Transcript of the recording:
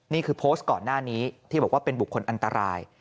นี่คือโพสต์ก่อนหน้านี้ที่บอกว่าเป็นบุคคลอันตราย